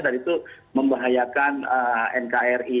dan itu membahayakan nkri